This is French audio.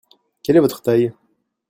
Quel est votre taille ?